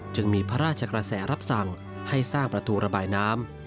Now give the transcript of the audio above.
จึงมีพระราชกระแสรับสั่งให้สร้างประตูระบายน้ำ